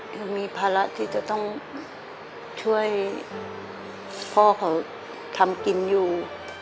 คือมีภาระที่จะต้องช่วยพ่อเขาทำกินอยู่